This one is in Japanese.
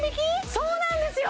そうなんですよ